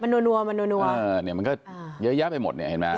คุณพระภูมิด้วยได้หมดเนี่ยเห็นไหม